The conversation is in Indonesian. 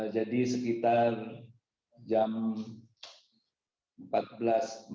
jadi selisih waktu swiss dengan indonesia itu lima jam